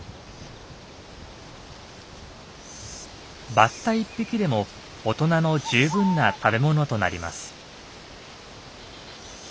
バッタ１匹でも大人の十分な食べものとなります。